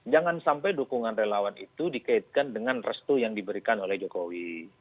jangan sampai dukungan relawan itu dikaitkan dengan restu yang diberikan oleh jokowi